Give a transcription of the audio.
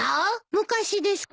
昔ですか？